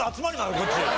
こっち。